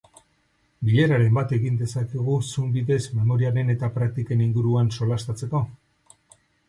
Bileraren bat egin dezakegu zoom bidez memoriaren eta praktiken inguruan solastatzeko?